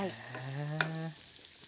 へえ。